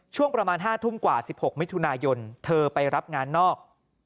ช่วงประมาณ๕ทุ่มกว่า๑๖มิถุนายนเธอไปรับงานนอก